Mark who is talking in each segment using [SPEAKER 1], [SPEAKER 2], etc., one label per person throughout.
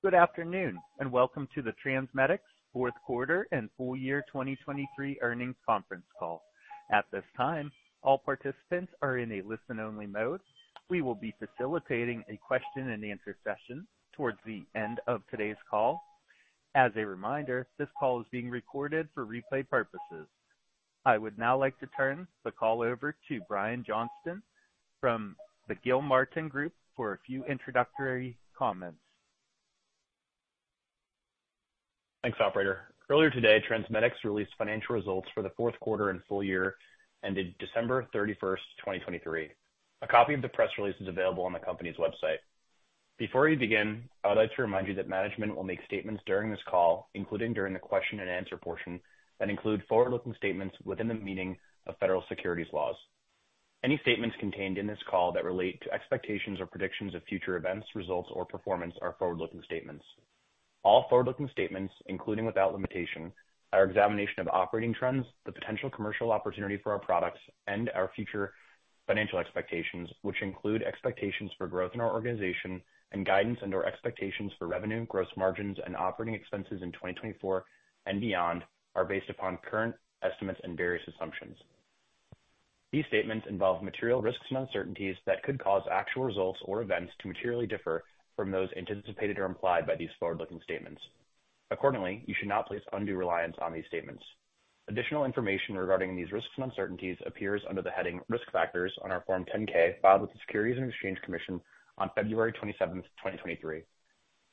[SPEAKER 1] Good afternoon and welcome to the TransMedics fourth quarter and full year 2023 earnings conference call. At this time, all participants are in a listen-only mode. We will be facilitating a question-and-answer session towards the end of today's call. As a reminder, this call is being recorded for replay purposes. I would now like to turn the call over to Brian Johnston from the Gilmartin Group for a few introductory comments.
[SPEAKER 2] Thanks, Operator. Earlier today, TransMedics released financial results for the fourth quarter and full year ended December 31st, 2023. A copy of the press release is available on the company's website. Before we begin, I would like to remind you that management will make statements during this call, including during the question-and-answer portion, that include forward-looking statements within the meaning of federal securities laws. Any statements contained in this call that relate to expectations or predictions of future events, results, or performance are forward-looking statements. All forward-looking statements, including without limitation, are an examination of operating trends, the potential commercial opportunity for our products, and our future financial expectations, which include expectations for growth in our organization and guidance and/or expectations for revenue, gross margins, and operating expenses in 2024 and beyond, are based upon current estimates and various assumptions. These statements involve material risks and uncertainties that could cause actual results or events to materially differ from those anticipated or implied by these forward-looking statements. Accordingly, you should not place undue reliance on these statements. Additional information regarding these risks and uncertainties appears under the heading Risk Factors on our Form 10-K filed with the Securities and Exchange Commission on February 27th, 2023.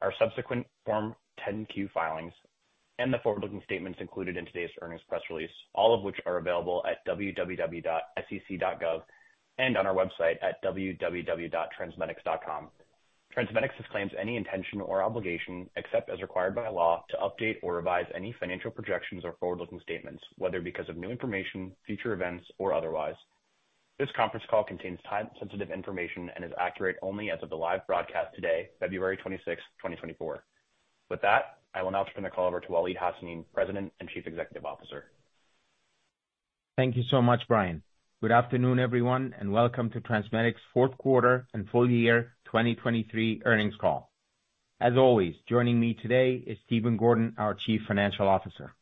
[SPEAKER 2] Our subsequent Form 10-Q filings and the forward-looking statements included in today's earnings press release, all of which are available at www.sec.gov and on our website at www.transmedics.com. TransMedics disclaims any intention or obligation, except as required by law, to update or revise any financial projections or forward-looking statements, whether because of new information, future events, or otherwise. This conference call contains time-sensitive information and is accurate only as of the live broadcast today, February 26th, 2024. With that, I will now turn the call over to Waleed Hassanein, President and Chief Executive Officer.
[SPEAKER 3] Thank you so much, Brian. Good afternoon, everyone, and welcome to TransMedics fourth quarter and full year 2023 earnings call. As always, joining me today is Stephen Gordon, our Chief Financial Officer.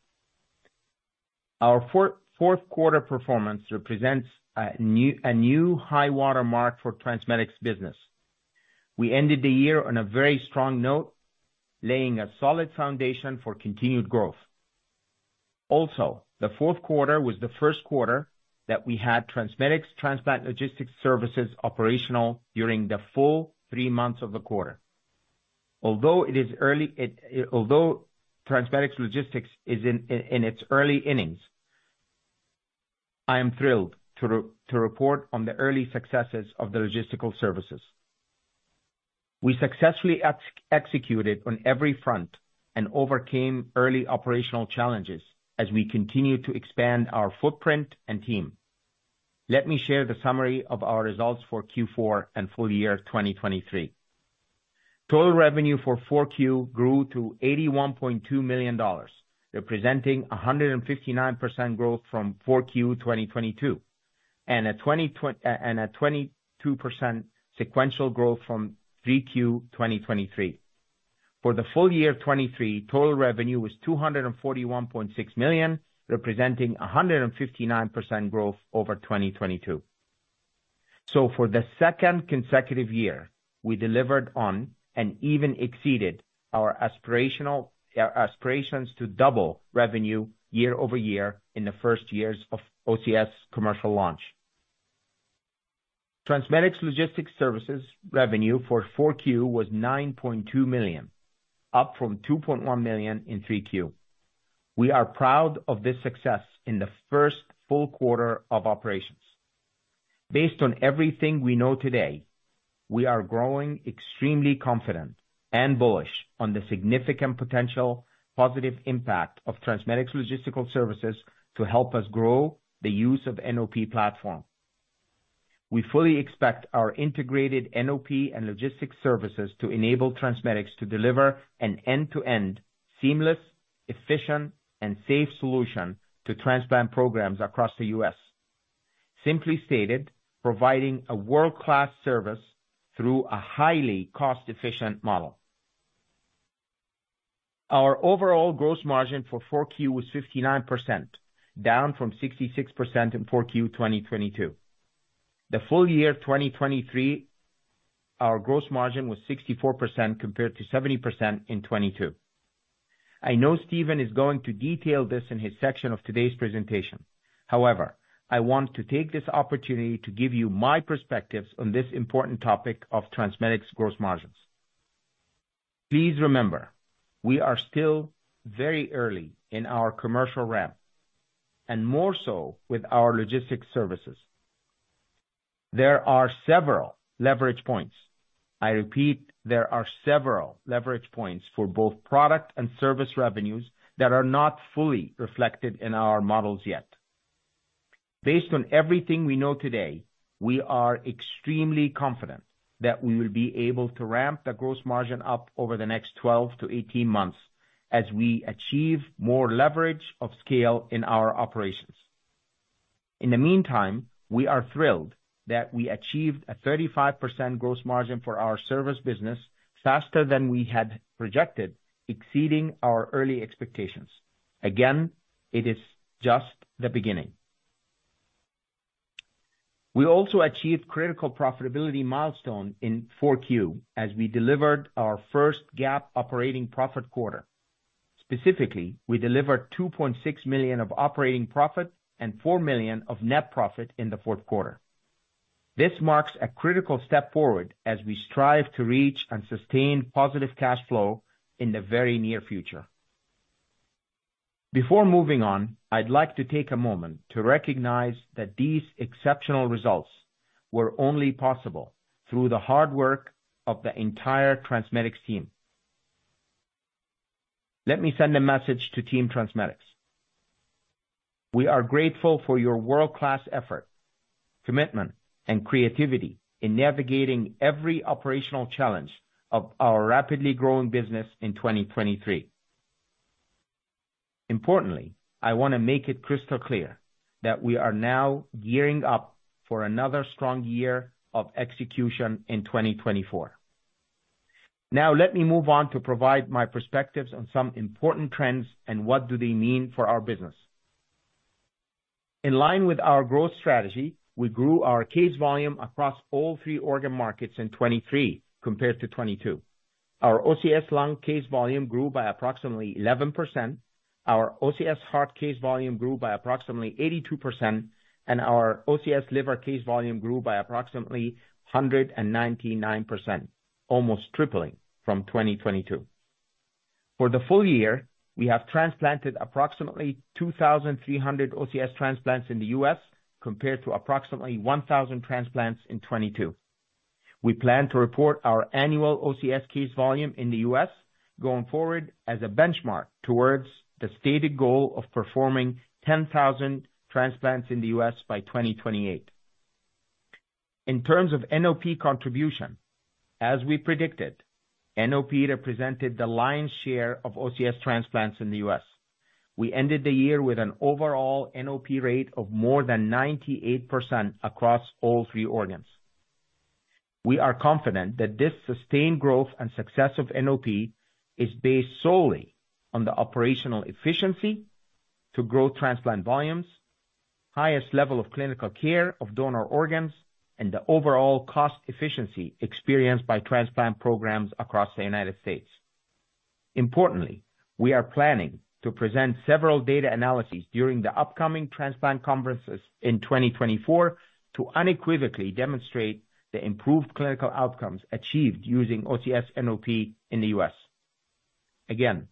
[SPEAKER 3] Our fourth quarter performance represents a new high watermark for TransMedics' business. We ended the year on a very strong note, laying a solid foundation for continued growth. Also, the fourth quarter was the first quarter that we had TransMedics Transplant Logistics Services operational during the full three months of the quarter. Although TransMedics Logistics is in its early innings, I am thrilled to report on the early successes of the logistical services. We successfully executed on every front and overcame early operational challenges as we continue to expand our footprint and team. Let me share the summary of our results for Q4 and full year 2023. Total revenue for 4Q grew to $81.2 million, representing 159% growth from 4Q 2022 and a 22% sequential growth from 3Q 2023. For the full year 2023, total revenue was $241.6 million, representing 159% growth over 2022. So for the second consecutive year, we delivered on and even exceeded our aspirations to double revenue year-over-year in the first years of OCS commercial launch. TransMedics Logistics Services revenue for 4Q was $9.2 million, up from $2.1 million in 3Q. We are proud of this success in the first full quarter of operations. Based on everything we know today, we are growing extremely confident and bullish on the significant potential positive impact of TransMedics Logistics Services to help us grow the use of NOP platform. We fully expect our integrated NOP and logistics services to enable TransMedics to deliver an end-to-end seamless, efficient, and safe solution to transplant programs across the U.S. Simply stated, providing a world-class service through a highly cost-efficient model. Our overall gross margin for 4Q was 59%, down from 66% in 4Q 2022. The full year 2023, our gross margin was 64% compared to 70% in 2022. I know Stephen is going to detail this in his section of today's presentation. However, I want to take this opportunity to give you my perspectives on this important topic of TransMedics gross margins. Please remember, we are still very early in our commercial rep, and more so with our logistics services. There are several leverage points. I repeat, there are several leverage points for both product and service revenues that are not fully reflected in our models yet. Based on everything we know today, we are extremely confident that we will be able to ramp the gross margin up over the next 12-18 months as we achieve more leverage of scale in our operations. In the meantime, we are thrilled that we achieved a 35% gross margin for our service business faster than we had projected, exceeding our early expectations. Again, it is just the beginning. We also achieved critical profitability milestone in 4Q as we delivered our first GAAP operating profit quarter. Specifically, we delivered $2.6 million of operating profit and $4 million of net profit in the fourth quarter. This marks a critical step forward as we strive to reach and sustain positive cash flow in the very near future. Before moving on, I'd like to take a moment to recognize that these exceptional results were only possible through the hard work of the entire TransMedics team. Let me send a message to Team TransMedics. We are grateful for your world-class effort, commitment, and creativity in navigating every operational challenge of our rapidly growing business in 2023. Importantly, I want to make it crystal clear that we are now gearing up for another strong year of execution in 2024. Now, let me move on to provide my perspectives on some important trends and what do they mean for our business. In line with our growth strategy, we grew our case volume across all three organ markets in 2023 compared to 2022. Our OCS lung case volume grew by approximately 11%, our OCS heart case volume grew by approximately 82%, and our OCS liver case volume grew by approximately 199%, almost tripling from 2022. For the full year, we have transplanted approximately 2,300 OCS transplants in the U.S. compared to approximately 1,000 transplants in 2022. We plan to report our annual OCS case volume in the U.S. going forward as a benchmark towards the stated goal of performing 10,000 transplants in the U.S. by 2028. In terms of NOP contribution, as we predicted, NOP represented the lion's share of OCS transplants in the U.S. We ended the year with an overall NOP rate of more than 98% across all three organs. We are confident that this sustained growth and success of NOP is based solely on the operational efficiency to grow transplant volumes, the highest level of clinical care of donor organs, and the overall cost efficiency experienced by transplant programs across the United States. Importantly, we are planning to present several data analyses during the upcoming transplant conferences in 2024 to unequivocally demonstrate the improved clinical outcomes achieved using OCS NOP in the U.S. Again,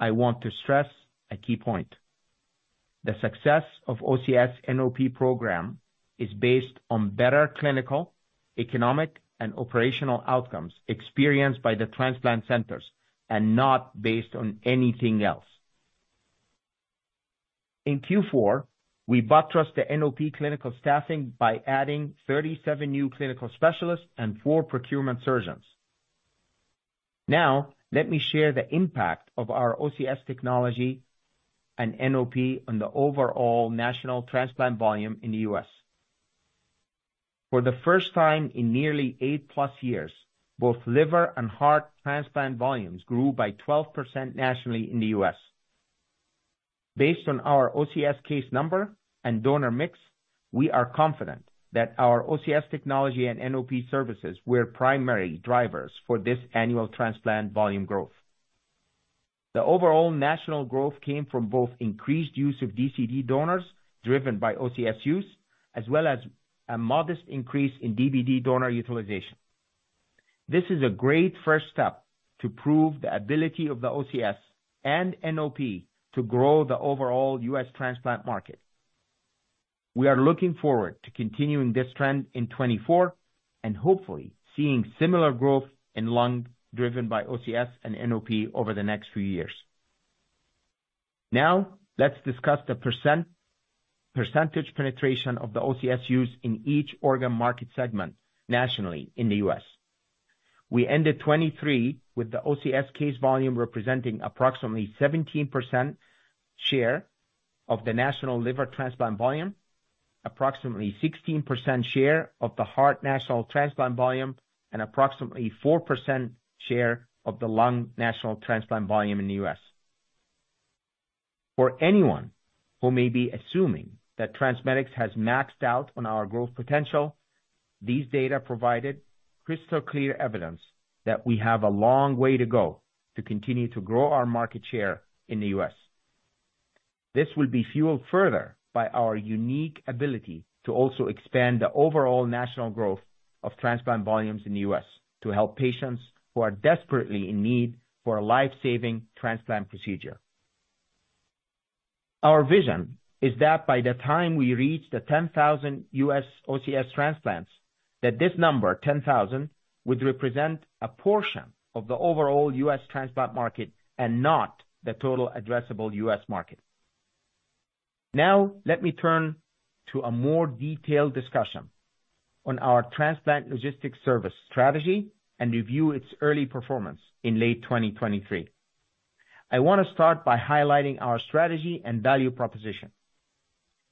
[SPEAKER 3] I want to stress a key point. The success of OCS NOP program is based on better clinical, economic, and operational outcomes experienced by the transplant centers and not based on anything else. In Q4, we buttressed the NOP clinical staffing by adding 37 new clinical specialists and 4 procurement surgeons. Now, let me share the impact of our OCS technology and NOP on the overall national transplant volume in the U.S. For the first time in nearly 8+ years, both liver and heart transplant volumes grew by 12% nationally in the U.S. Based on our OCS case number and donor mix, we are confident that our OCS technology and NOP services were primary drivers for this annual transplant volume growth. The overall national growth came from both increased use of DCD donors driven by OCS use, as well as a modest increase in DBD donor utilization. This is a great first step to prove the ability of the OCS and NOP to grow the overall U.S. transplant market. We are looking forward to continuing this trend in 2024 and hopefully seeing similar growth in lung driven by OCS and NOP over the next few years. Now, let's discuss the percentage penetration of the OCS use in each organ market segment nationally in the U.S. We ended 2023 with the OCS case volume representing approximately 17% share of the national liver transplant volume, approximately 16% share of the heart national transplant volume, and approximately 4% share of the lung national transplant volume in the U.S. For anyone who may be assuming that TransMedics has maxed out on our growth potential, these data provided crystal clear evidence that we have a long way to go to continue to grow our market share in the U.S. This will be fueled further by our unique ability to also expand the overall national growth of transplant volumes in the U.S. to help patients who are desperately in need for a life-saving transplant procedure. Our vision is that by the time we reach the 10,000 U.S. OCS transplants, that this number, 10,000, would represent a portion of the overall U.S. transplant market and not the total addressable U.S. market. Now, let me turn to a more detailed discussion on our transplant logistics service strategy and review its early performance in late 2023. I want to start by highlighting our strategy and value proposition.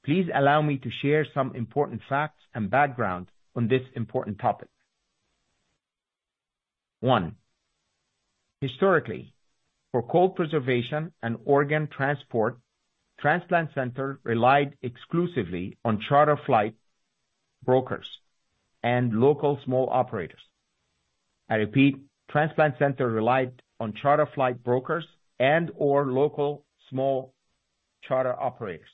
[SPEAKER 3] Please allow me to share some important facts and background on this important topic. One, Historically, for cold preservation and organ transport, transplant centers relied exclusively on charter flight brokers and local small operators. I repeat, transplant centers relied on charter flight brokers and/or local small charter operators.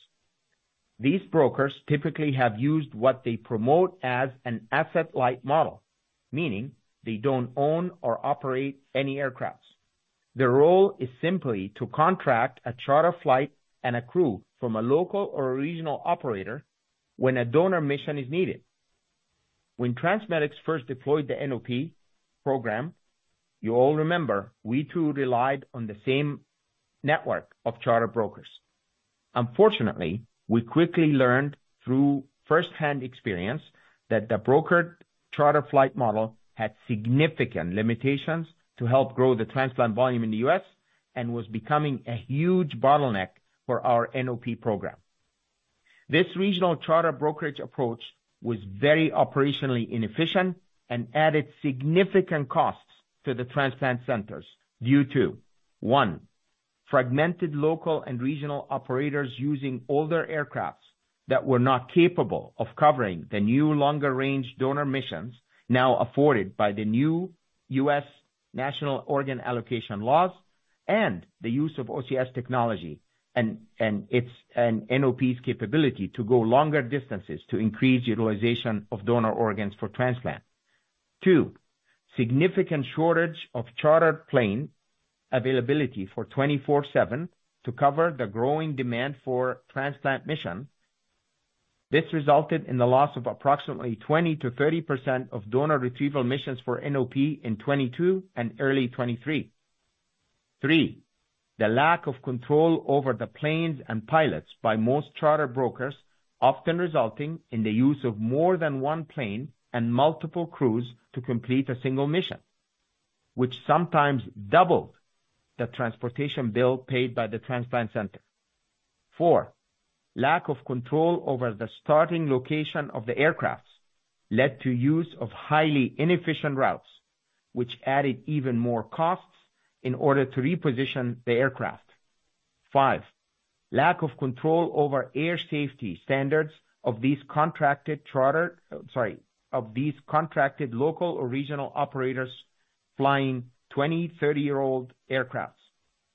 [SPEAKER 3] These brokers typically have used what they promote as an asset-light model, meaning they don't own or operate any aircraft. Their role is simply to contract a charter flight and a crew from a local or regional operator when a donor mission is needed. When TransMedics first deployed the NOP program, you all remember, we too relied on the same network of charter brokers. Unfortunately, we quickly learned through firsthand experience that the brokered charter flight model had significant limitations to help grow the transplant volume in the U.S. and was becoming a huge bottleneck for our NOP program. This regional charter brokerage approach was very operationally inefficient and added significant costs to the transplant centers due to: One. Fragmented local and regional operators using older aircraft that were not capable of covering the new longer-range donor missions now afforded by the new U.S. national organ allocation laws and the use of OCS technology and NOP's capability to go longer distances to increase utilization of donor organs for transplant. Two. Significant shortage of chartered plane availability for 24/7 to cover the growing demand for transplant missions. This resulted in the loss of approximately 20%-30% of donor retrieval missions for NOP in 2022 and early 2023. Three. The lack of control over the planes and pilots by most charter brokers often resulting in the use of more than one plane and multiple crews to complete a single mission, which sometimes doubled the transportation bill paid by the transplant center. Four. Lack of control over the starting location of the aircraft led to use of highly inefficient routes, which added even more costs in order to reposition the aircraft. Five. Lack of control over air safety standards of these contracted local or regional operators flying 20- and 30-year-old aircraft.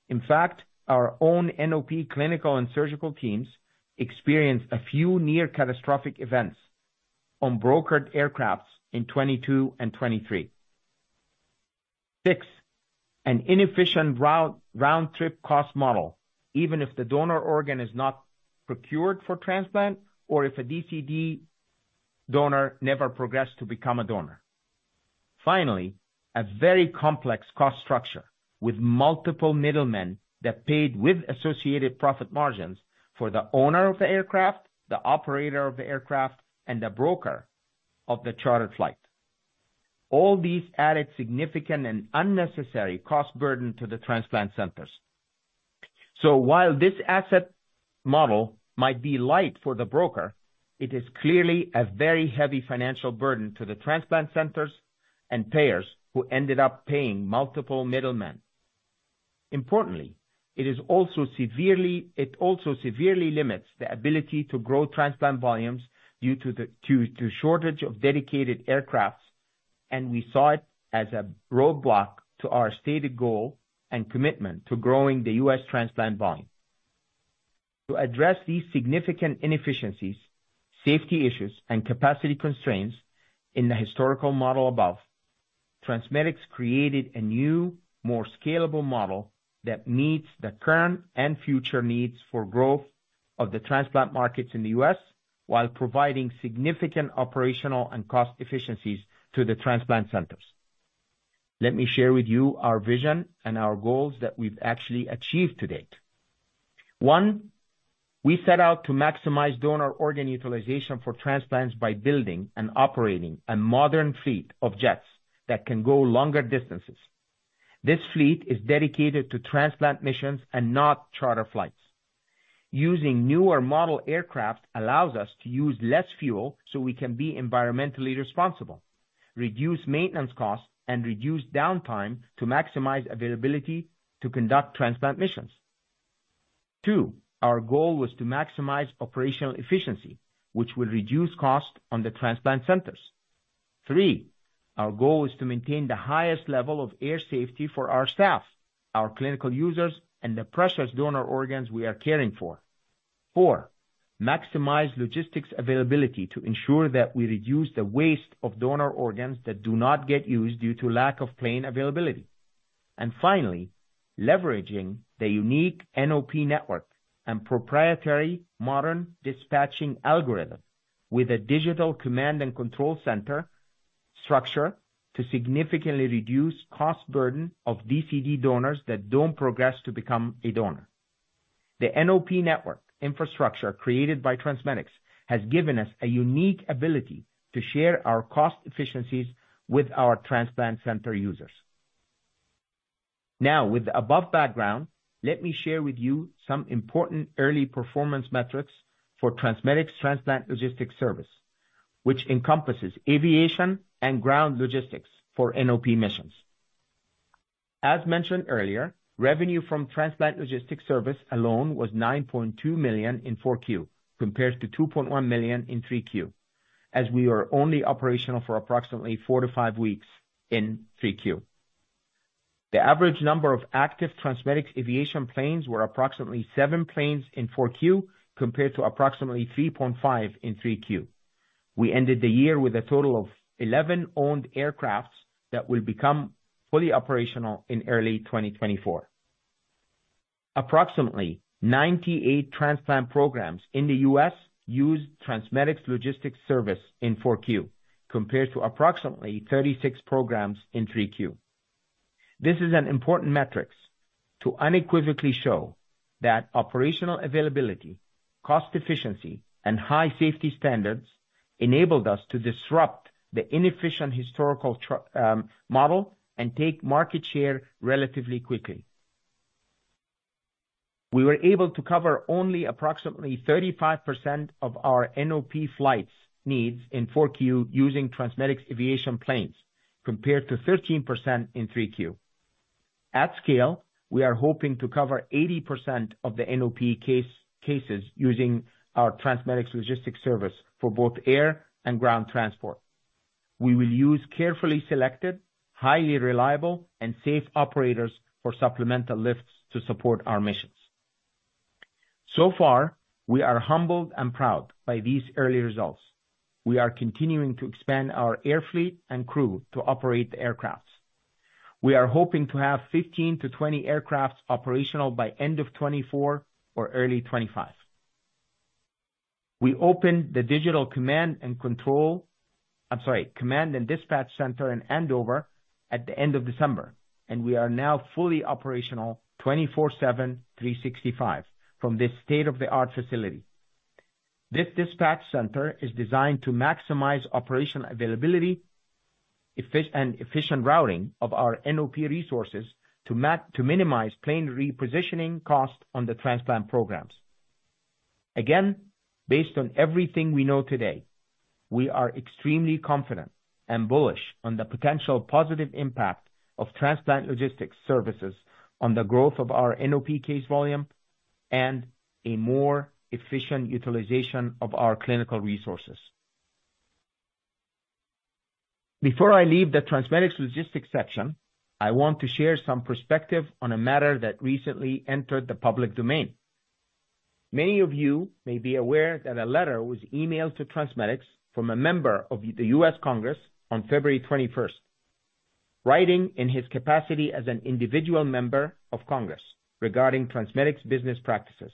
[SPEAKER 3] In fact, our own NOP clinical and surgical teams experienced a few near-catastrophic events on brokered aircraft in 2022 and 2023. Six. An inefficient round-trip cost model, even if the donor organ is not procured for transplant or if a DCD donor never progressed to become a donor. Finally, a very complex cost structure with multiple middlemen that paid with associated profit margins for the owner of the aircraft, the operator of the aircraft, and the broker of the chartered flight. All these added significant and unnecessary cost burden to the transplant centers. So while this asset model might be light for the broker, it is clearly a very heavy financial burden to the transplant centers and payers who ended up paying multiple middlemen. Importantly, it also severely limits the ability to grow transplant volumes due to the shortage of dedicated aircraft, and we saw it as a roadblock to our stated goal and commitment to growing the U.S. transplant volume. To address these significant inefficiencies, safety issues, and capacity constraints in the historical model above, TransMedics created a new, more scalable model that meets the current and future needs for growth of the transplant markets in the U.S. while providing significant operational and cost efficiencies to the transplant centers. Let me share with you our vision and our goals that we've actually achieved to date. One. We set out to maximize donor organ utilization for transplants by building and operating a modern fleet of jets that can go longer distances. This fleet is dedicated to transplant missions and not charter flights. Using newer model aircraft allows us to use less fuel so we can be environmentally responsible, reduce maintenance costs, and reduce downtime to maximize availability to conduct transplant missions. Two. Our goal was to maximize operational efficiency, which will reduce costs on the transplant centers. Three. Our goal is to maintain the highest level of air safety for our staff, our clinical users, and the precious donor organs we are caring for. Four. Maximize logistics availability to ensure that we reduce the waste of donor organs that do not get used due to lack of plane availability. And finally, leveraging the unique NOP network and proprietary modern dispatching algorithm with a digital command and control center structure to significantly reduce cost burden of DCD donors that don't progress to become a donor. The NOP network infrastructure created by TransMedics has given us a unique ability to share our cost efficiencies with our transplant center users. Now, with the above background, let me share with you some important early performance metrics for TransMedics Transplant Logistics Service, which encompasses aviation and ground logistics for NOP missions. As mentioned earlier, revenue from transplant logistics service alone was $9.2 million in 4Q compared to $2.1 million in 3Q, as we were only operational for approximately four to five weeks in 3Q. The average number of active TransMedics aviation planes were approximately seven planes in 4Q compared to approximately 3.5 in 3Q. We ended the year with a total of 11 owned aircraft that will become fully operational in early 2024. Approximately 98 transplant programs in the U.S. use TransMedics Logistics Service in 4Q compared to approximately 36 programs in 3Q. This is an important metric to unequivocally show that operational availability, cost efficiency, and high safety standards enabled us to disrupt the inefficient historical model and take market share relatively quickly. We were able to cover only approximately 35% of our NOP flights needs in 4Q using TransMedics aviation planes compared to 13% in 3Q. At scale, we are hoping to cover 80% of the NOP cases using our TransMedics Logistics Service for both air and ground transport. We will use carefully selected, highly reliable, and safe operators for supplemental lifts to support our missions. So far, we are humbled and proud by these early results. We are continuing to expand our air fleet and crew to operate the aircrafts. We are hoping to have 15-20 aircraft operational by end of 2024 or early 2025. We opened the digital command and control I'm sorry, command and dispatch center in Andover at the end of December, and we are now fully operational 24/7, 365 from this state-of-the-art facility. This dispatch center is designed to maximize operational availability and efficient routing of our NOP resources to minimize plane repositioning costs on the transplant programs. Again, based on everything we know today, we are extremely confident and bullish on the potential positive impact of transplant logistics services on the growth of our NOP case volume and a more efficient utilization of our clinical resources. Before I leave the TransMedics Logistics section, I want to share some perspective on a matter that recently entered the public domain. Many of you may be aware that a letter was emailed to TransMedics from a member of the U.S. Congress on February 21st, writing in his capacity as an individual member of Congress regarding TransMedics business practices.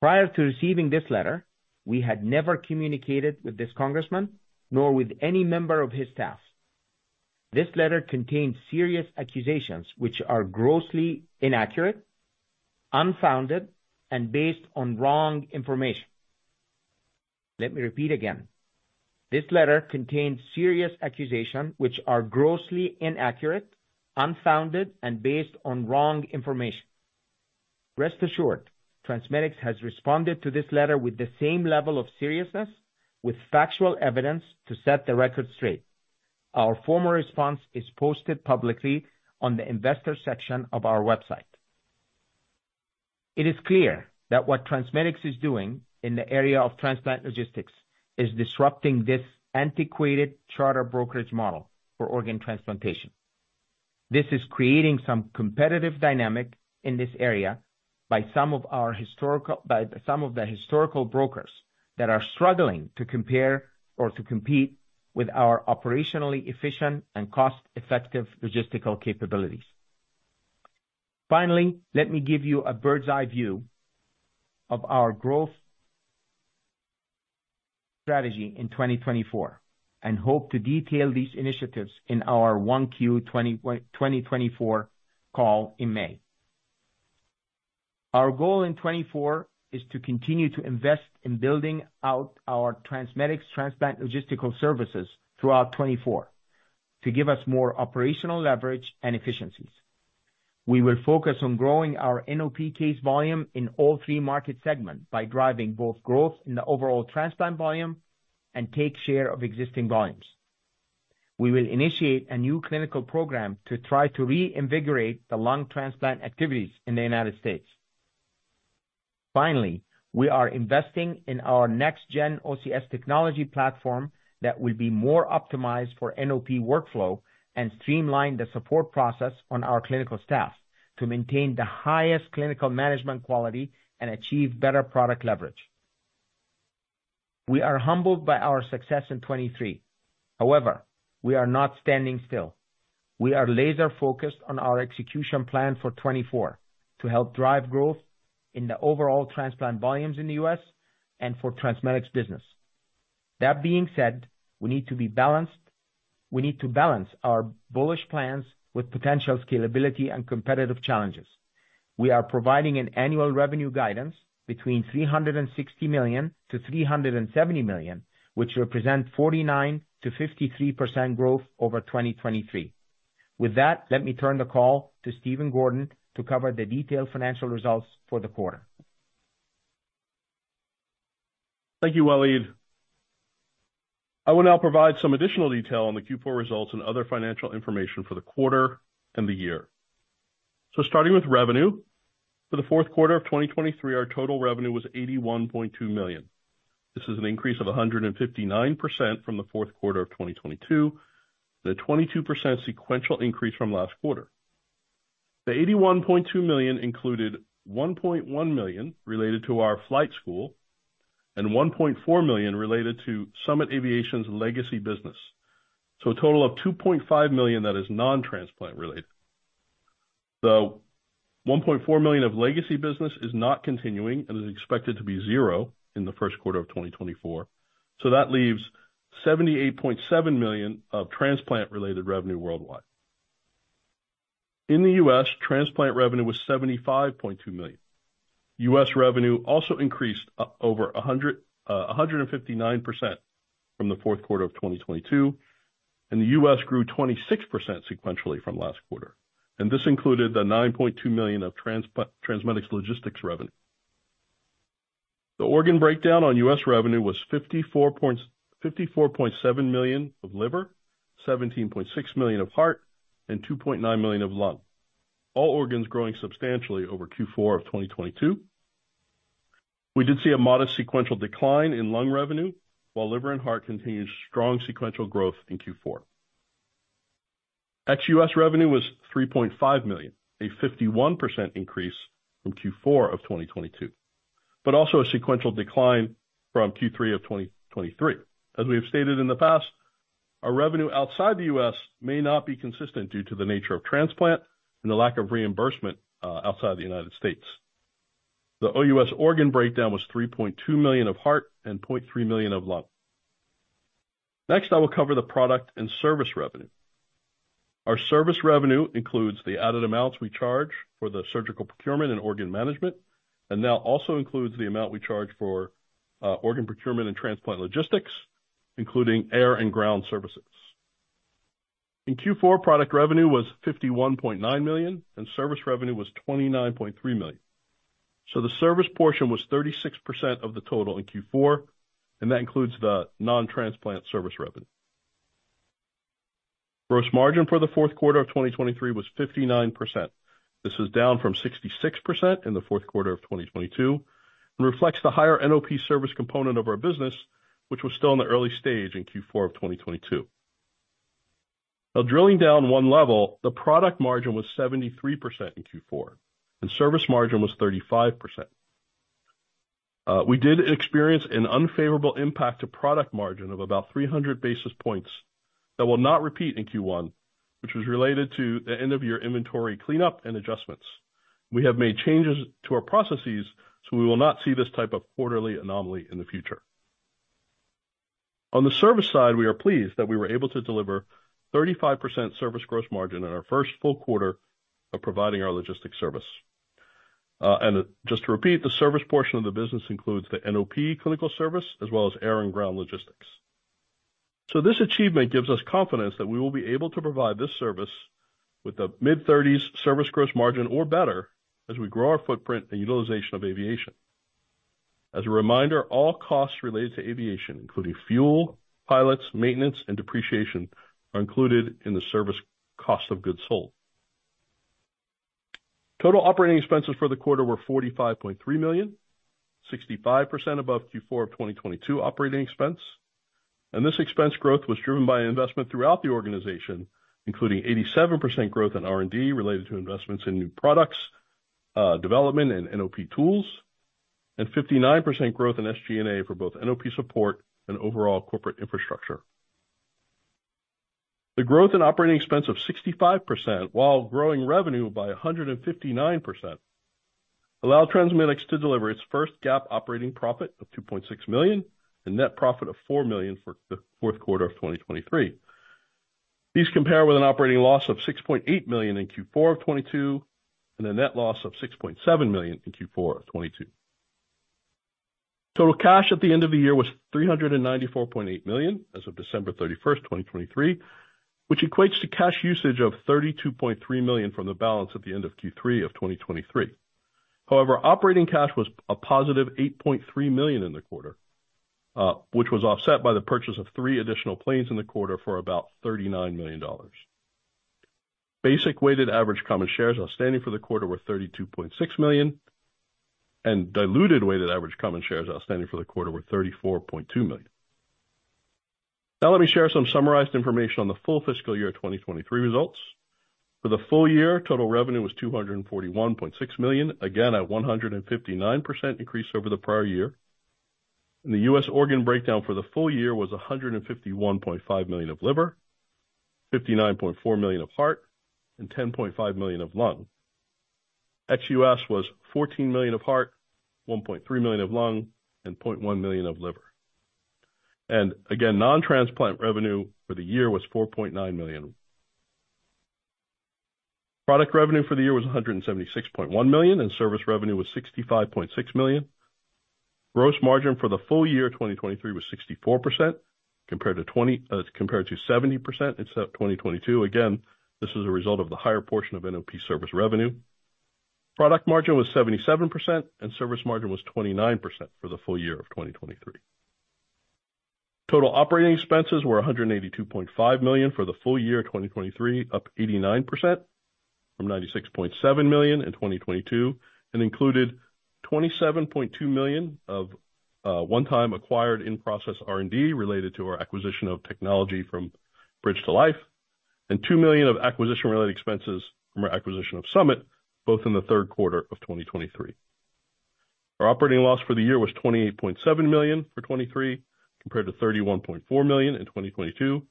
[SPEAKER 3] Prior to receiving this letter, we had never communicated with this congressman nor with any member of his staff. This letter contained serious accusations which are grossly inaccurate, unfounded, and based on wrong information. Let me repeat again. This letter contained serious accusations which are grossly inaccurate, unfounded, and based on wrong information. Rest assured, TransMedics has responded to this letter with the same level of seriousness, with factual evidence to set the record straight. Our formal response is posted publicly on the investor section of our website. It is clear that what TransMedics is doing in the area of transplant logistics is disrupting this antiquated charter brokerage model for organ transplantation. This is creating some competitive dynamic in this area by some of the historical brokers that are struggling to compare or to compete with our operationally efficient and cost-effective logistical capabilities. Finally, let me give you a bird's-eye view of our growth strategy in 2024 and hope to detail these initiatives in our 1Q 2024 call in May. Our goal in 2024 is to continue to invest in building out our TransMedics transplant logistical services throughout 2024 to give us more operational leverage and efficiencies. We will focus on growing our NOP case volume in all three market segments by driving both growth in the overall transplant volume and take share of existing volumes. We will initiate a new clinical program to try to reinvigorate the lung transplant activities in the United States. Finally, we are investing in our next-gen OCS technology platform that will be more optimized for NOP workflow and streamline the support process on our clinical staff to maintain the highest clinical management quality and achieve better product leverage. We are humbled by our success in 2023. However, we are not standing still. We are laser-focused on our execution plan for 2024 to help drive growth in the overall transplant volumes in the U.S. and for TransMedics business. That being said, we need to be balanced, we need to balance our bullish plans with potential scalability and competitive challenges. We are providing an annual revenue guidance between $360 million-$370 million, which represent 49%-53% growth over 2023. With that, let me turn the call to Stephen Gordon to cover the detailed financial results for the quarter.
[SPEAKER 4] Thank you, Waleed. I will now provide some additional detail on the Q4 results and other financial information for the quarter and the year. Starting with revenue, for the fourth quarter of 2023, our total revenue was $81.2 million. This is an increase of 159% from the fourth quarter of 2022 and a 22% sequential increase from last quarter. The $81.2 million included $1.1 million related to our flight school and $1.4 million related to Summit Aviation's legacy business, so a total of $2.5 million that is non-transplant related. The $1.4 million of legacy business is not continuing and is expected to be zero in the first quarter of 2024, so that leaves $78.7 million of transplant-related revenue worldwide. In the U.S., transplant revenue was $75.2 million. U.S. revenue also increased over 159% from the fourth quarter of 2022, and the U.S. grew 26% sequentially from last quarter, and this included the $9.2 million of TransMedics Logistics revenue. The organ breakdown on U.S. revenue was $54.7 million of liver, $17.6 million of heart, and $2.9 million of lung, all organs growing substantially over Q4 of 2022. We did see a modest sequential decline in lung revenue while liver and heart continued strong sequential growth in Q4. Ex-U.S. revenue was $3.5 million, a 51% increase from Q4 of 2022, but also a sequential decline from Q3 of 2023. As we have stated in the past, our revenue outside the U.S. may not be consistent due to the nature of transplant and the lack of reimbursement outside the United States. The OUS organ breakdown was $3.2 million of heart and $0.3 million of lung. Next, I will cover the product and service revenue. Our service revenue includes the added amounts we charge for the surgical procurement and organ management and now also includes the amount we charge for organ procurement and transplant logistics, including air and ground services. In Q4, product revenue was $51.9 million and service revenue was $29.3 million, so the service portion was 36% of the total in Q4, and that includes the non-transplant service revenue. Gross margin for the fourth quarter of 2023 was 59%. This is down from 66% in the fourth quarter of 2022 and reflects the higher NOP service component of our business, which was still in the early stage in Q4 of 2022. Now, drilling down one level, the product margin was 73% in Q4 and service margin was 35%. We did experience an unfavorable impact to product margin of about 300 basis points that will not repeat in Q1, which was related to the end-of-year inventory cleanup and adjustments. We have made changes to our processes, so we will not see this type of quarterly anomaly in the future. On the service side, we are pleased that we were able to deliver 35% service gross margin in our first full quarter of providing our logistics service. And just to repeat, the service portion of the business includes the NOP clinical service as well as air and ground logistics. So this achievement gives us confidence that we will be able to provide this service with a mid-30s% service gross margin or better as we grow our footprint and utilization of aviation. As a reminder, all costs related to aviation, including fuel, pilots, maintenance, and depreciation, are included in the service cost of goods sold. Total operating expenses for the quarter were $45.3 million, 65% above Q4 of 2022 operating expense, and this expense growth was driven by investment throughout the organization, including 87% growth in R&D related to investments in new products, development, and NOP tools, and 59% growth in SG&A for both NOP support and overall corporate infrastructure. The growth in operating expense of 65% while growing revenue by 159% allowed TransMedics to deliver its first GAAP operating profit of $2.6 million and net profit of $4 million for the fourth quarter of 2023. These compare with an operating loss of $6.8 million in Q4 of 2022 and a net loss of $6.7 million in Q4 of 2022. Total cash at the end of the year was $394.8 million as of December 31st, 2023, which equates to cash usage of $32.3 million from the balance at the end of Q3 of 2023. However, operating cash was a positive $8.3 million in the quarter, which was offset by the purchase of three additional planes in the quarter for about $39 million. Basic weighted average common shares outstanding for the quarter were 32.6 million, and diluted weighted average common shares outstanding for the quarter were 34.2 million. Now, let me share some summarized information on the full fiscal year 2023 results. For the full year, total revenue was $241.6 million, again a 159% increase over the prior year. The U.S. organ breakdown for the full year was $151.5 million of liver, $59.4 million of heart, and $10.5 million of lung. OCS was $14 million of heart, $1.3 million of lung, and $0.1 million of liver. Again, non-transplant revenue for the year was $4.9 million. Product revenue for the year was $176.1 million and service revenue was $65.6 million. Gross margin for the full year 2023 was 64% compared to 70% in 2022. Again, this is a result of the higher portion of NOP service revenue. Product margin was 77% and service margin was 29% for the full year of 2023. Total operating expenses were $182.5 million for the full year 2023, up 89% from $96.7 million in 2022 and included $27.2 million of one-time acquired in-process R&D related to our acquisition of technology from Bridge to Life and $2 million of acquisition-related expenses from our acquisition of Summit, both in the third quarter of 2023. Our operating loss for the year was $28.7 million for 2023 compared to $31.4 million in 2022,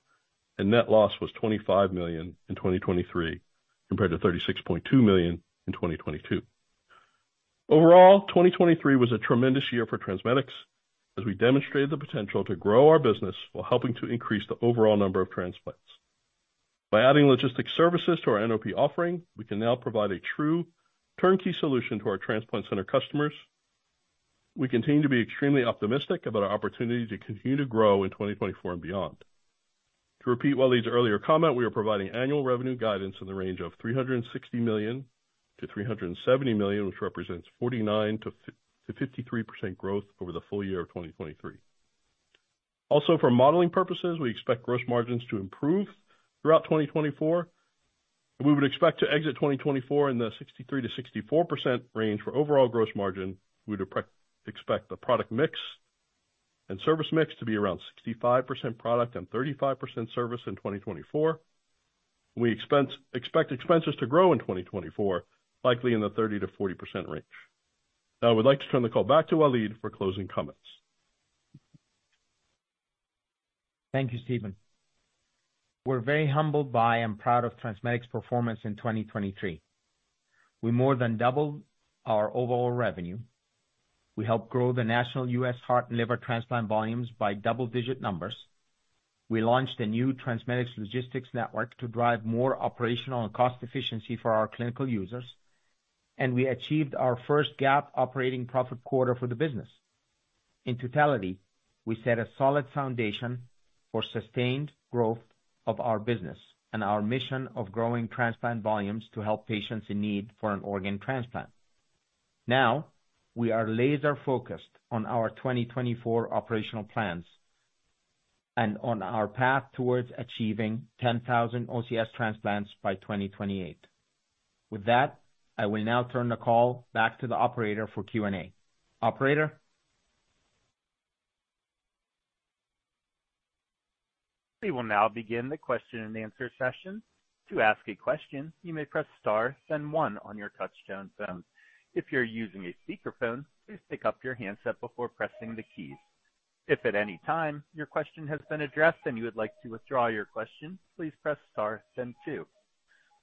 [SPEAKER 4] and net loss was $25 million in 2023 compared to $36.2 million in 2022. Overall, 2023 was a tremendous year for TransMedics as we demonstrated the potential to grow our business while helping to increase the overall number of transplants. By adding logistics services to our NOP offering, we can now provide a true turnkey solution to our transplant center customers. We continue to be extremely optimistic about our opportunity to continue to grow in 2024 and beyond. To repeat Waleed's earlier comment, we are providing annual revenue guidance in the range of $360 million-$370 million, which represents 49%-53% growth over the full year of 2023. Also, for modeling purposes, we expect gross margins to improve throughout 2024, and we would expect to exit 2024 in the 63%-64% range for overall gross margin. We would expect the product mix and service mix to be around 65% product and 35% service in 2024. We expect expenses to grow in 2024, likely in the 30%-40% range. Now, I would like to turn the call back to Waleed for closing comments.
[SPEAKER 3] Thank you, Stephen. We're very humbled by and proud of TransMedics' performance in 2023. We more than doubled our overall revenue. We helped grow the national U.S. heart and liver transplant volumes by double-digit numbers. We launched a new TransMedics logistics network to drive more operational and cost efficiency for our clinical users, and we achieved our first GAAP operating profit quarter for the business. In totality, we set a solid foundation for sustained growth of our business and our mission of growing transplant volumes to help patients in need for an organ transplant. Now, we are laser-focused on our 2024 operational plans and on our path towards achieving 10,000 OCS transplants by 2028. With that, I will now turn the call back to the operator for Q&A. Operator?
[SPEAKER 1] We will now begin the question-and-answer session. To ask a question, you may press star, then one on your touch-tone phone. If you're using a speakerphone, please pick up your handset before pressing the keys. If at any time your question has been addressed and you would like to withdraw your question, please press star, then two.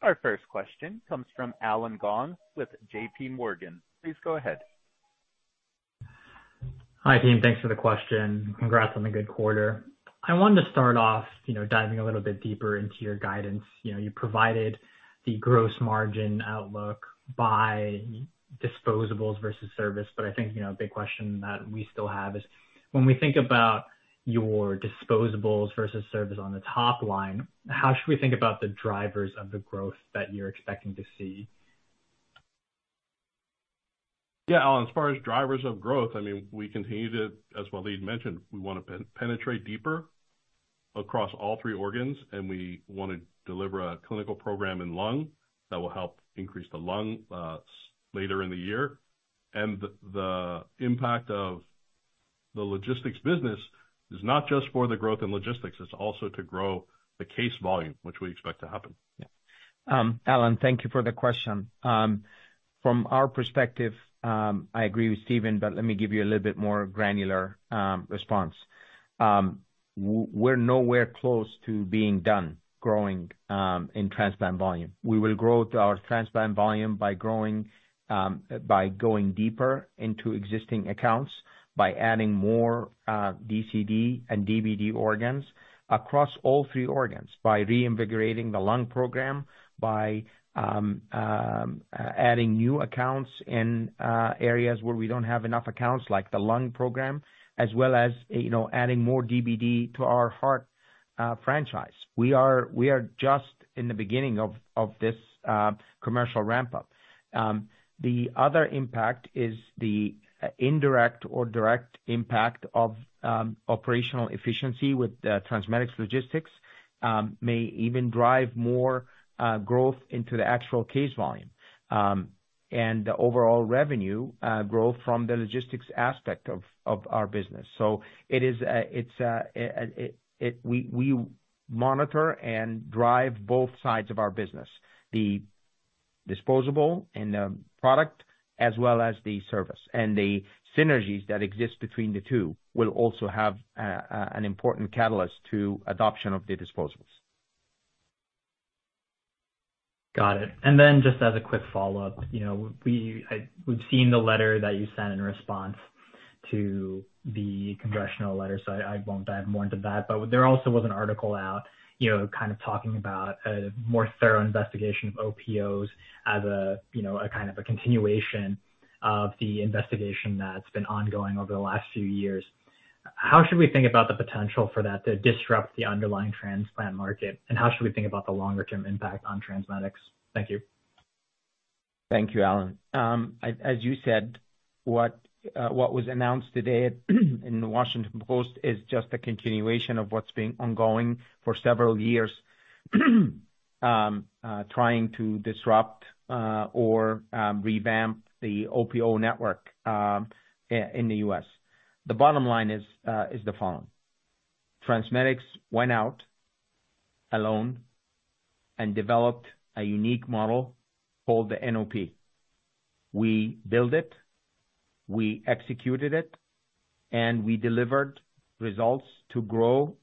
[SPEAKER 1] Our first question comes from Allen Gong with J.P. Morgan. Please go ahead.
[SPEAKER 5] Hi, team. Thanks for the question. Congrats on the good quarter. I wanted to start off diving a little bit deeper into your guidance. You provided the gross margin outlook by disposables versus service, but I think a big question that we still have is, when we think about your disposables versus service on the top line, how should we think about the drivers of the growth that you're expecting to see?
[SPEAKER 4] Yeah, Allen, as far as drivers of growth, I mean, we continue to, as Waleed mentioned, we want to penetrate deeper across all three organs, and we want to deliver a clinical program in lung that will help increase the lung later in the year. And the impact of the logistics business is not just for the growth in logistics. It's also to grow the case volume, which we expect to happen.
[SPEAKER 3] Yeah. Allen, thank you for the question. From our perspective, I agree with Stephen, but let me give you a little bit more granular response. We're nowhere close to being done growing in transplant volume. We will grow our transplant volume by going deeper into existing accounts, by adding more DCD and DBD organs across all three organs, by reinvigorating the lung program, by adding new accounts in areas where we don't have enough accounts like the lung program, as well as adding more DBD to our heart franchise. We are just in the beginning of this commercial ramp-up. The other impact is the indirect or direct impact of operational efficiency with TransMedics Logistics may even drive more growth into the actual case volume and the overall revenue growth from the logistics aspect of our business. So, it is we monitor and drive both sides of our business: the disposable and the product, as well as the service. The synergies that exist between the two will also have an important catalyst to adoption of the disposables.
[SPEAKER 5] Got it. Then just as a quick follow-up, we've seen the letter that you sent in response to the congressional letter, so I won't dive more into that. There also was an article out kind of talking about a more thorough investigation of OPOs as a kind of a continuation of the investigation that's been ongoing over the last few years. How should we think about the potential for that to disrupt the underlying transplant market, and how should we think about the longer-term impact on TransMedics? Thank you.
[SPEAKER 3] Thank you, Allen. As you said, what was announced today in The Washington Post is just a continuation of what's been ongoing for several years trying to disrupt or revamp the OPO network in the U.S. The bottom line is the following: TransMedics went out alone and developed a unique model called the NOP. We built it, we executed it, and we delivered results to grow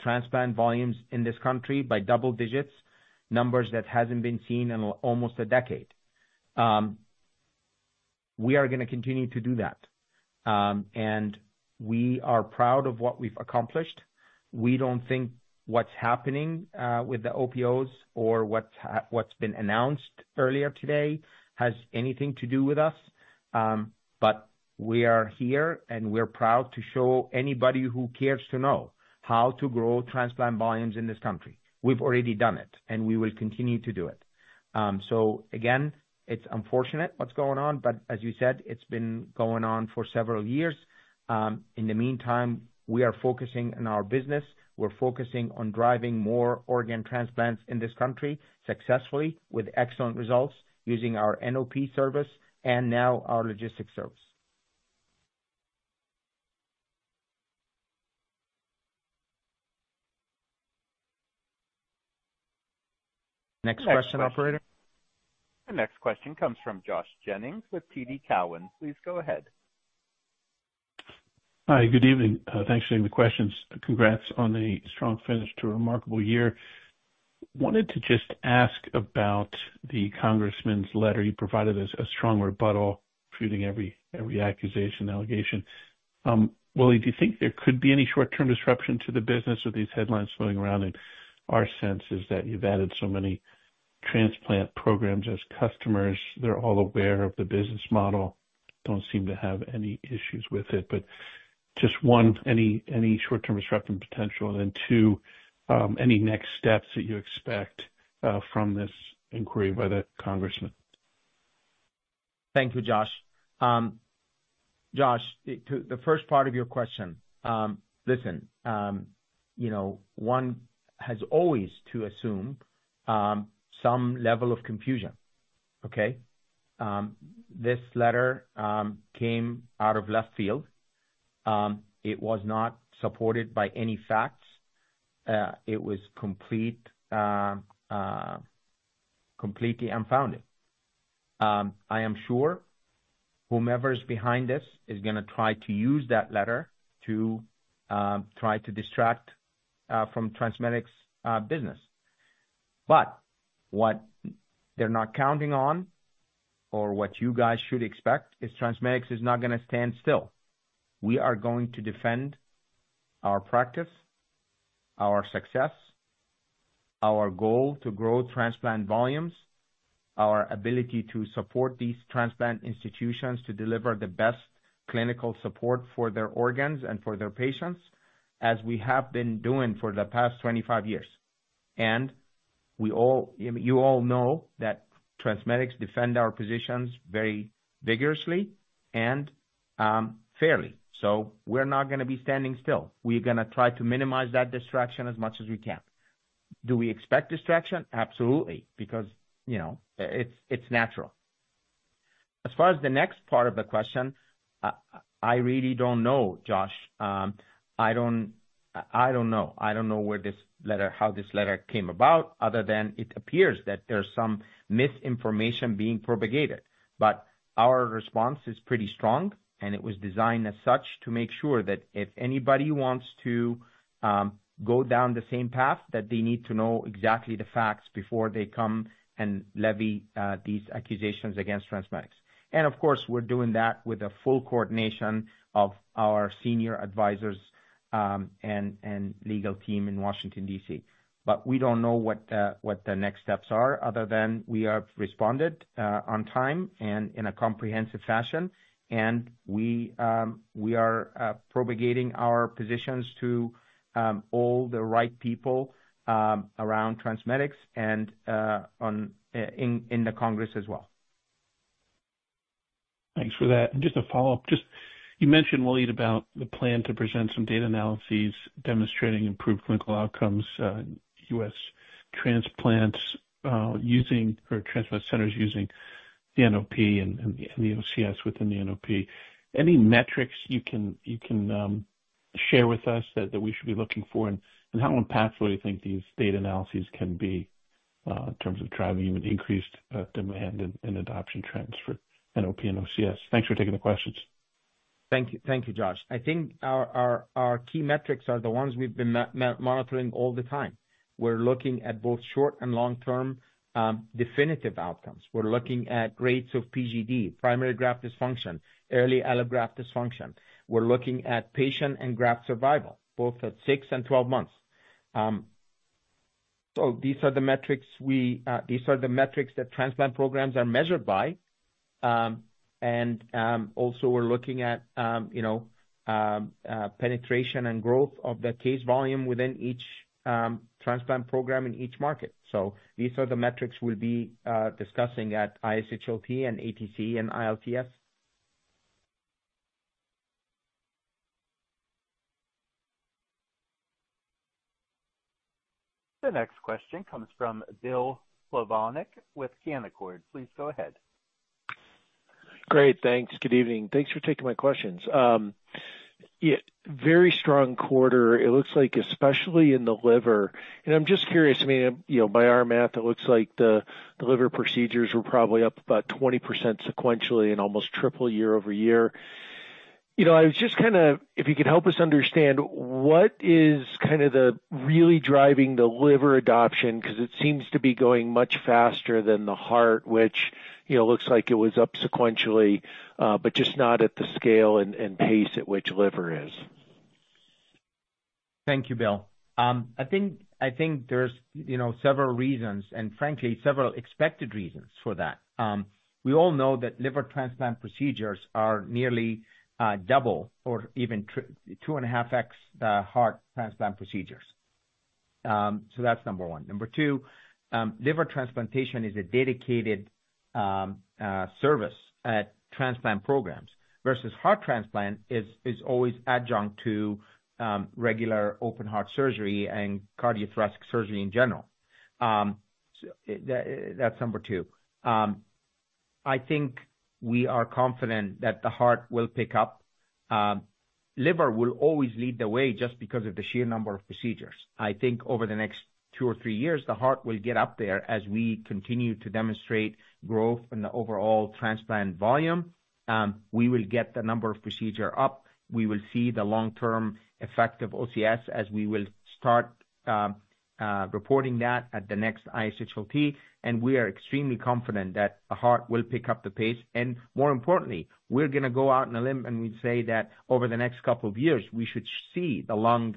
[SPEAKER 3] transplant volumes in this country by double digits, numbers that haven't been seen in almost a decade. We are going to continue to do that, and we are proud of what we've accomplished. We don't think what's happening with the OPOs or what's been announced earlier today has anything to do with us, but we are here, and we're proud to show anybody who cares to know how to grow transplant volumes in this country. We've already done it, and we will continue to do it. So again, it's unfortunate what's going on, but as you said, it's been going on for several years. In the meantime, we are focusing on our business. We're focusing on driving more organ transplants in this country successfully with excellent results using our NOP service and now our logistics service.
[SPEAKER 2] Next question, operator.
[SPEAKER 1] The next question comes from Josh Jennings with TD Cowen. Please go ahead.
[SPEAKER 6] Hi. Good evening. Thanks for taking the questions. Congrats on the strong finish to a remarkable year. Wanted to just ask about the congressman's letter. You provided us a strong rebuttal, refuting every accusation and allegation. Waleed, do you think there could be any short-term disruption to the business with these headlines floating around? And our sense is that you've added so many transplant programs as customers, they're all aware of the business model, don't seem to have any issues with it. But just one, any short-term disruption potential? And then two, any next steps that you expect from this inquiry by the congressman?
[SPEAKER 3] Thank you, Josh. Josh, the first part of your question, listen, one has always to assume some level of confusion, okay? This letter came out of left field. It was not supported by any facts. It was completely unfounded. I am sure whomever is behind this is going to try to use that letter to try to distract from TransMedics' business. But what they're not counting on or what you guys should expect is TransMedics is not going to stand still. We are going to defend our practice, our success, our goal to grow transplant volumes, our ability to support these transplant institutions to deliver the best clinical support for their organs and for their patients as we have been doing for the past 25 years. And you all know that TransMedics defend our positions very vigorously and fairly. So we're not going to be standing still. We're going to try to minimize that distraction as much as we can. Do we expect distraction? Absolutely, because it's natural. As far as the next part of the question, I really don't know, Josh. I don't know. I don't know where this letter, how this letter came about, other than it appears that there's some misinformation being propagated. But our response is pretty strong, and it was designed as such to make sure that if anybody wants to go down the same path, that they need to know exactly the facts before they come and levy these accusations against TransMedics. Of course, we're doing that with the full coordination of our senior advisors and legal team in Washington, D.C. We don't know what the next steps are other than we have responded on time and in a comprehensive fashion, and we are propagating our positions to all the right people around TransMedics and in the Congress as well.
[SPEAKER 6] Thanks for that. Just a follow-up, just you mentioned, Waleed, about the plan to present some data analyses demonstrating improved clinical outcomes in U.S. transplants using our transplant centers using the NOP and the OCS within the NOP. Any metrics you can share with us that we should be looking for, and how impactful do you think these data analyses can be in terms of driving even increased demand and adoption trends for NOP and OCS? Thanks for taking the questions.
[SPEAKER 3] Thank you, Josh. I think our key metrics are the ones we've been monitoring all the time. We're looking at both short- and long-term definitive outcomes. We're looking at rates of PGD, primary graft dysfunction, early allograft dysfunction. We're looking at patient and graft survival, both at six and 12 months. So these are the metrics that transplant programs are measured by. And also, we're looking at penetration and growth of the case volume within each transplant program in each market. So these are the metrics we'll be discussing at ISHLT and ATC and ILTS.
[SPEAKER 1] The next question comes from Bill Plovanic with Canaccord. Please go ahead.
[SPEAKER 7] Great. Thanks. Good evening. Thanks for taking my questions. Very strong quarter, it looks like, especially in the liver. I'm just curious. I mean, by our math, it looks like the liver procedures were probably up about 20% sequentially and almost triple year-over-year. I was just kind of if you could help us understand, what is kind of really driving the liver adoption? Because it seems to be going much faster than the heart, which looks like it was up sequentially, but just not at the scale and pace at which liver is.
[SPEAKER 3] Thank you, Bill. I think there's several reasons, and frankly, several expected reasons for that. We all know that liver transplant procedures are nearly double or even 2.5x the heart transplant procedures. So that's number one. Number two, liver transplantation is a dedicated service at transplant programs versus heart transplant is always adjunct to regular open heart surgery and cardiothoracic surgery in general. So that's number two. I think we are confident that the heart will pick up. Liver will always lead the way just because of the sheer number of procedures. I think over the next two or three years, the heart will get up there as we continue to demonstrate growth in the overall transplant volume. We will get the number of procedures up. We will see the long-term effect of OCS as we will start reporting that at the next ISHLT. We are extremely confident that the heart will pick up the pace. More importantly, we're going to go out in a limb and we'd say that over the next couple of years, we should see the lung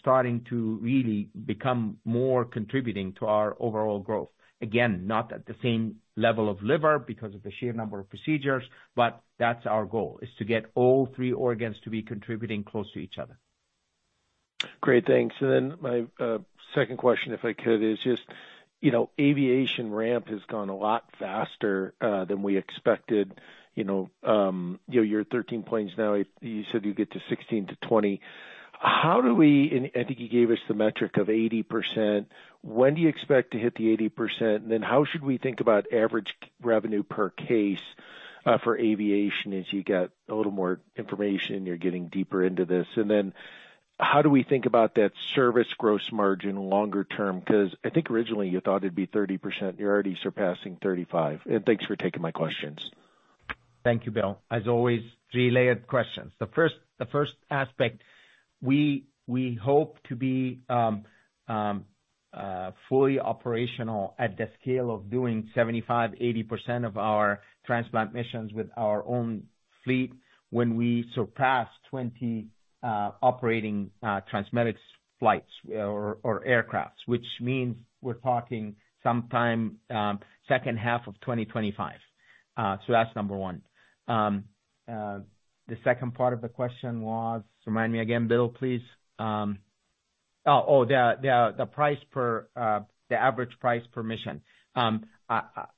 [SPEAKER 3] starting to really become more contributing to our overall growth. Again, not at the same level of liver because of the sheer number of procedures, but that's our goal, is to get all three organs to be contributing close to each other.
[SPEAKER 7] Great. Thanks. And then my second question, if I could, is just aviation ramp has gone a lot faster than we expected. You're 13 planes now. You said you get to 16%-20%. How do we and I think you gave us the metric of 80%. When do you expect to hit the 80%? And then how should we think about average revenue per case for aviation as you get a little more information and you're getting deeper into this? And then how do we think about that service gross margin longer term? Because I think originally you thought it'd be 30%. You're already surpassing 35%. And thanks for taking my questions.
[SPEAKER 3] Thank you, Bill. As always, three-layered questions. The first aspect, we hope to be fully operational at the scale of doing 75%-80% of our transplant missions with our own fleet when we surpass 20 operating TransMedics flights or aircrafts, which means we're talking sometime second half of 2025. So that's number one. The second part of the question was remind me again, Bill, please. Oh, the average price per mission.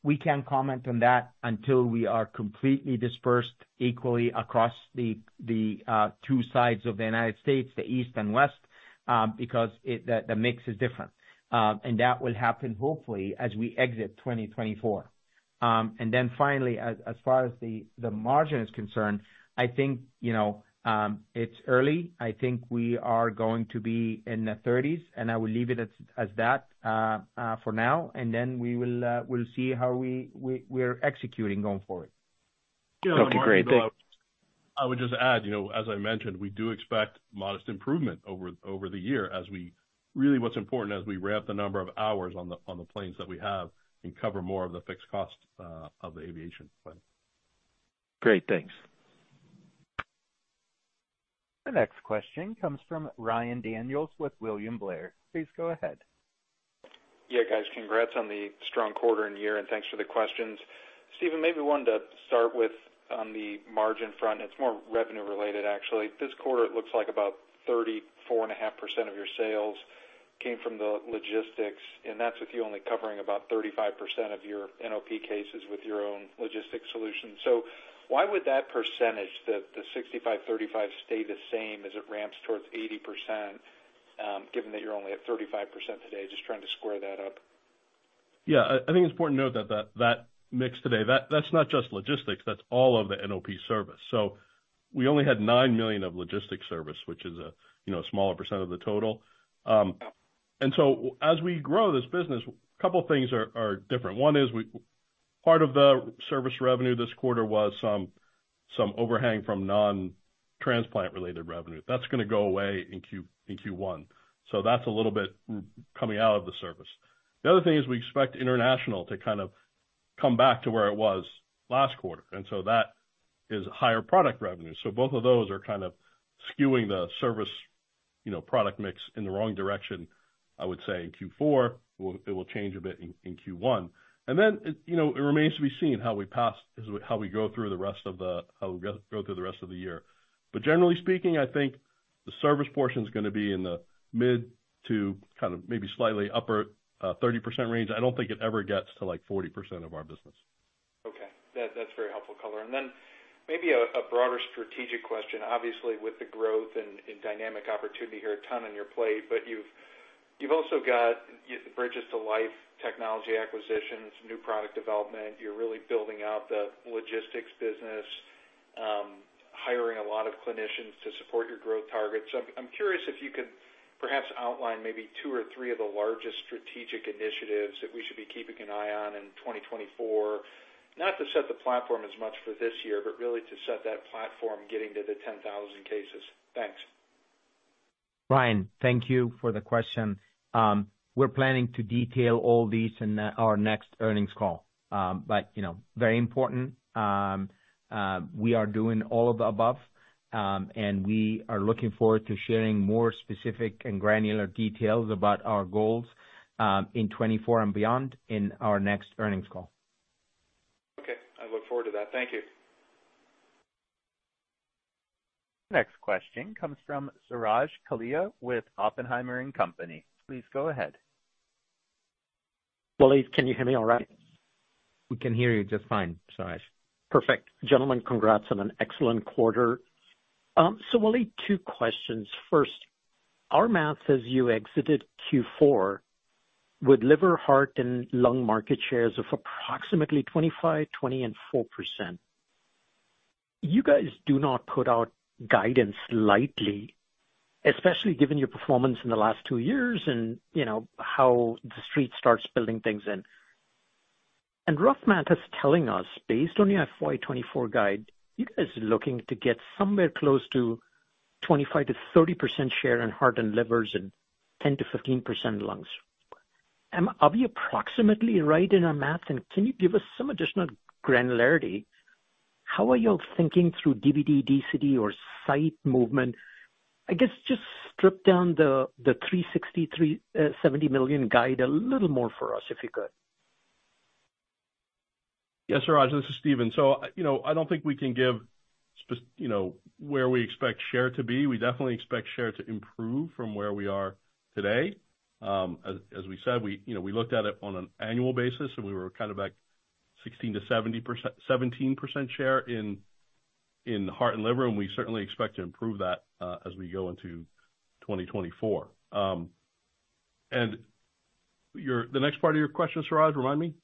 [SPEAKER 3] We can't comment on that until we are completely dispersed equally across the two sides of the United States, the East and West, because the mix is different. And that will happen, hopefully, as we exit 2024. And then finally, as far as the margin is concerned, I think it's early. I think we are going to be in the 30s, and I will leave it as that for now. Then we will see how we're executing going forward.
[SPEAKER 7] Okay. Great. Thanks.
[SPEAKER 4] I would just add, as I mentioned, we do expect modest improvement over the year as we really, what's important, as we ramp the number of hours on the planes that we have and cover more of the fixed cost of the aviation plan.
[SPEAKER 7] Great. Thanks.
[SPEAKER 1] The next question comes from Ryan Daniels with William Blair. Please go ahead.
[SPEAKER 8] Yeah, guys. Congrats on the strong quarter and year, and thanks for the questions. Stephen, maybe one to start with on the margin front. It's more revenue-related, actually. This quarter, it looks like about 34.5% of your sales came from the logistics, and that's with you only covering about 35% of your NOP cases with your own logistics solutions. So why would that percentage, the 65%-35%, stay the same as it ramps towards 80%, given that you're only at 35% today? Just trying to square that up.
[SPEAKER 4] Yeah. I think it's important to note that mix today. That's not just logistics. That's all of the NOP service. So we only had $9 million of logistics service, which is a smaller % of the total. And so as we grow this business, a couple of things are different. One is part of the service revenue this quarter was some overhang from non-transplant-related revenue. That's going to go away in Q1. So that's a little bit coming out of the service. The other thing is we expect international to kind of come back to where it was last quarter. And so that is higher product revenue. So both of those are kind of skewing the service product mix in the wrong direction, I would say, in Q4. It will change a bit in Q1. And then it remains to be seen how we go through the rest of the year. But generally speaking, I think the service portion is going to be in the mid to kind of maybe slightly upper 30% range. I don't think it ever gets to 40% of our business.
[SPEAKER 8] Okay. That's very helpful, Waleed. Then maybe a broader strategic question. Obviously, with the growth and dynamic opportunity here, a ton on your plate, but you've also got the Bridge to Life technology acquisitions, new product development. You're really building out the logistics business, hiring a lot of clinicians to support your growth targets. I'm curious if you could perhaps outline maybe two or three of the largest strategic initiatives that we should be keeping an eye on in 2024, not to set the platform as much for this year, but really to set that platform getting to the 10,000 cases. Thanks.
[SPEAKER 3] Ryan, thank you for the question. We're planning to detail all these in our next earnings call, but very important. We are doing all of the above, and we are looking forward to sharing more specific and granular details about our goals in 2024 and beyond in our next earnings call.
[SPEAKER 8] Okay. I look forward to that. Thank you.
[SPEAKER 1] Next question comes from Suraj Kalia with Oppenheimer & Company. Please go ahead.
[SPEAKER 9] Waleed, can you hear me all right?
[SPEAKER 3] We can hear you just fine, Suraj.
[SPEAKER 9] Perfect. Gentlemen, congrats on an excellent quarter. So Waleed, two questions. First, our math says you exited Q4 with liver, heart, and lung market shares of approximately 25%, 20%, and 4%. You guys do not put out guidance lightly, especially given your performance in the last two years and how the Street starts building things in. And rough math is telling us, based on your FY 2024 guide, you guys are looking to get somewhere close to 25%-30% share in heart and liver and 10%-15% lungs. Are we approximately right in our math? And can you give us some additional granularity? How are you all thinking through DBD, DCD, or site movement? I guess just strip down the $360 million-$370 million guide a little more for us if you could.
[SPEAKER 4] Yes, Suraj. This is Stephen. So I don't think we can give where we expect share to be. We definitely expect share to improve from where we are today. As we said, we looked at it on an annual basis, and we were kind of at 16%-17% share in heart and liver, and we certainly expect to improve that as we go into 2024. And the next part of your question, Suraj, remind me?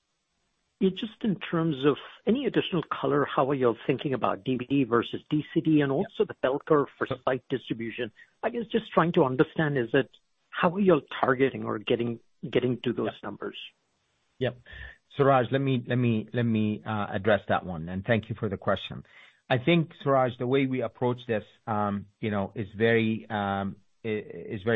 [SPEAKER 9] Just in terms of any additional color, how are you all thinking about DBD versus DCD and also the bell curve for site distribution? I guess just trying to understand how are you all targeting or getting to those numbers?
[SPEAKER 3] Yep. Suraj, let me address that one. And thank you for the question. I think, Suraj, the way we approach this is very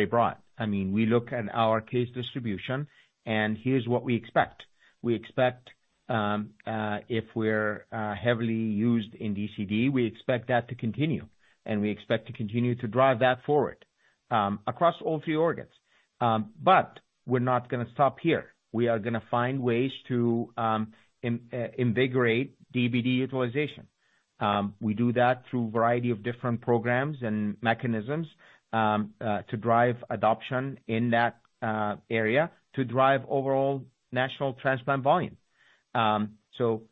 [SPEAKER 3] broad. I mean, we look at our case distribution, and here's what we expect. We expect if we're heavily used in DCD, we expect that to continue, and we expect to continue to drive that forward across all three organs. But we're not going to stop here. We are going to find ways to invigorate DBD utilization. We do that through a variety of different programs and mechanisms to drive adoption in that area, to drive overall national transplant volume. So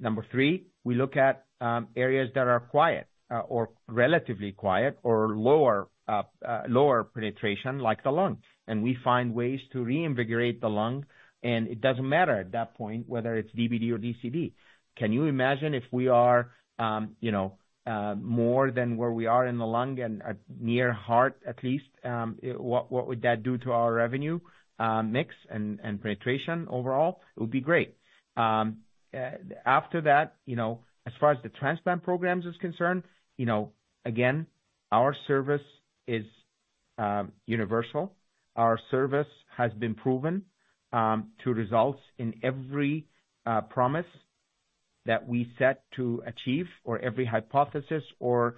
[SPEAKER 3] number three, we look at areas that are quiet or relatively quiet or lower penetration, like the lung, and we find ways to reinvigorate the lung. And it doesn't matter at that point whether it's DBD or DCD. Can you imagine if we are more than where we are in the lung and near heart, at least, what would that do to our revenue mix and penetration overall? It would be great. After that, as far as the transplant programs is concerned, again, our service is universal. Our service has been proven to result in every promise that we set to achieve or every hypothesis or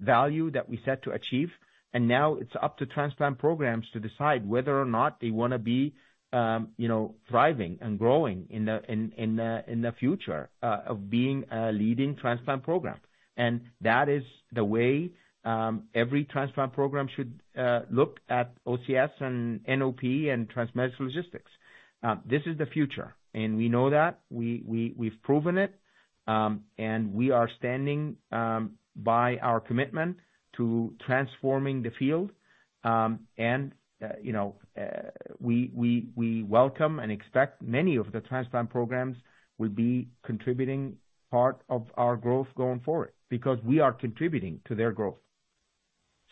[SPEAKER 3] value that we set to achieve. And now it's up to transplant programs to decide whether or not they want to be thriving and growing in the future of being a leading transplant program. That is the way every transplant program should look at OCS and NOP and TransMedics logistics. This is the future, and we know that. We've proven it, and we are standing by our commitment to transforming the field. We welcome and expect many of the transplant programs will be contributing part of our growth going forward because we are contributing to their growth.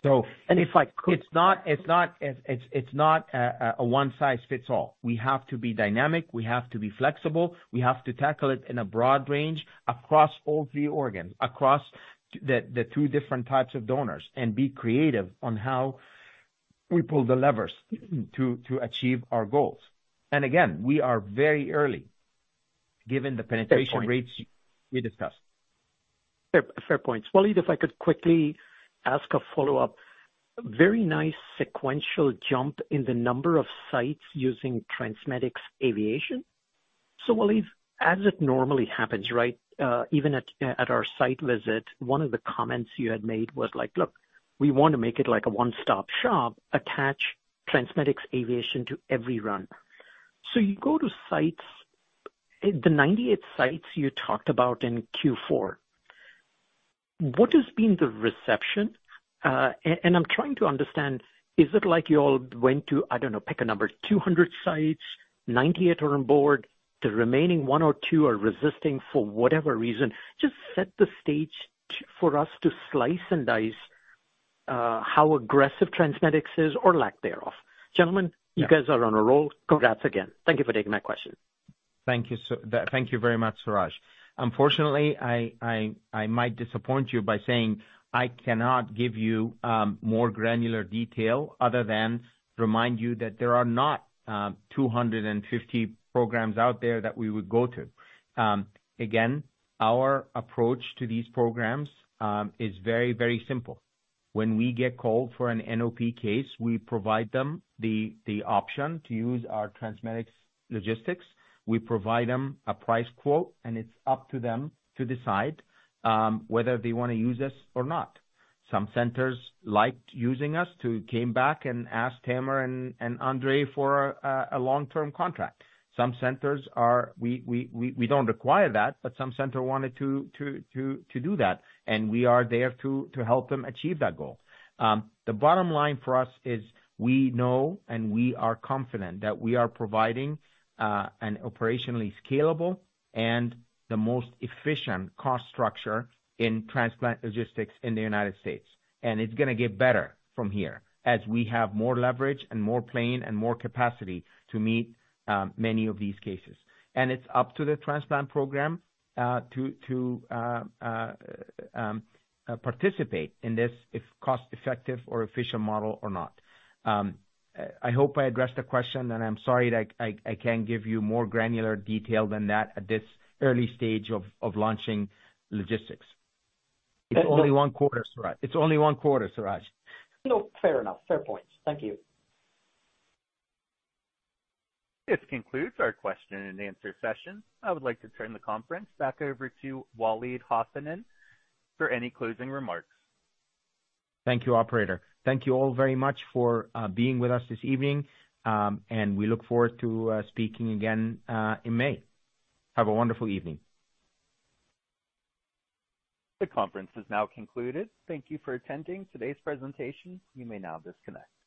[SPEAKER 3] It's not a one-size-fits-all. We have to be dynamic. We have to be flexible. We have to tackle it in a broad range across all three organs, across the two different types of donors, and be creative on how we pull the levers to achieve our goals. Again, we are very early given the penetration rates we discussed.
[SPEAKER 9] Fair points. Waleed, if I could quickly ask a follow-up. Very nice sequential jump in the number of sites using TransMedics Aviation. So Waleed, as it normally happens, right, even at our site visit, one of the comments you had made was like, "Look, we want to make it like a one-stop shop, attach TransMedics Aviation to every run." So you go to the 98 sites you talked about in Q4. What has been the reception? And I'm trying to understand, is it like you all went to, I don't know, pick a number, 200 sites, 98 are on board, the remaining one or two are resisting for whatever reason? Just set the stage. For us to slice and dice how aggressive TransMedics is or lack thereof. Gentlemen, you guys are on a roll. Congrats again. Thank you for taking my question.
[SPEAKER 3] Thank you very much, Suraj. Unfortunately, I might disappoint you by saying I cannot give you more granular detail other than remind you that there are not 250 programs out there that we would go to. Again, our approach to these programs is very, very simple. When we get called for an NOP case, we provide them the option to use our TransMedics logistics. We provide them a price quote, and it's up to them to decide whether they want to use us or not. Some centers liked using us, came back and asked Tamer and Andre for a long-term contract. Some centers are we don't require that, but some center wanted to do that, and we are there to help them achieve that goal. The bottom line for us is we know and we are confident that we are providing an operationally scalable and the most efficient cost structure in transplant logistics in the United States. And it's going to get better from here as we have more leverage and more plane and more capacity to meet many of these cases. And it's up to the transplant program to participate in this if cost-effective or efficient model or not. I hope I addressed the question, and I'm sorry I can't give you more granular detail than that at this early stage of launching logistics. It's only one quarter, Suraj. It's only one quarter, Suraj.
[SPEAKER 9] Fair enough. Fair points. Thank you.
[SPEAKER 1] This concludes our question and answer session. I would like to turn the conference back over to Waleed Hassanein for any closing remarks.
[SPEAKER 3] Thank you, operator. Thank you all very much for being with us this evening, and we look forward to speaking again in May. Have a wonderful evening.
[SPEAKER 1] The conference is now concluded. Thank you for attending today's presentation. You may now disconnect.